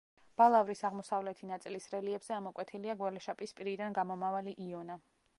ბალავრის აღმოსავლეთი ნაწილის რელიეფზე ამოკვეთილია გველეშაპის პირიდან გამომავალი იონა.